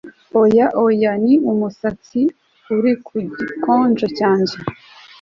oya, oya, n'umusatsi uri ku gikonjo cyanjye